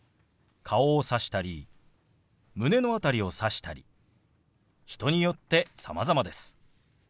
顔をさしたり胸の辺りをさしたり人によってさまざまです。